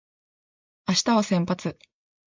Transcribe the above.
明日は先発